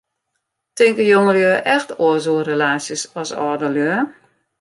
Tinke jongelju echt oars oer relaasjes as âldelju?